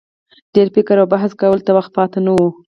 ډېر فکر او بحث کولو ته وخت پاته نه وو.